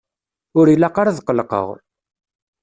Ur ilaq ara ad qellqeɣ.